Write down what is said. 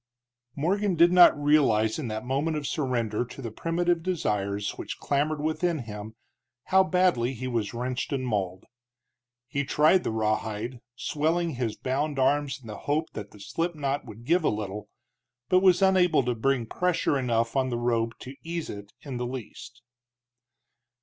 Morgan did not realize in that moment of surrender to the primitive desires which clamored within him how badly he was wrenched and mauled. He tried the rawhide, swelling his bound arms in the hope that the slipknot would give a little, but was unable to bring pressure enough on the rope to ease it in the least.